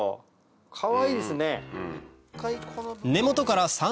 かわいいですね。